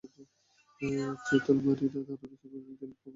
চিতলমারী থানার ওসি দিলীপ কুমার সরকার সংঘর্ষ হওয়ার ঘটনার সত্যতা নিশ্চিত করেছেন।